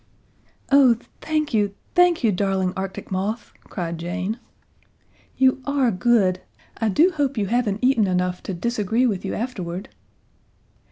"Oh, thank you thank you, darling Arctic moth," cried Jane. "You are good I do hope you haven't eaten enough to disagree with you afterward!"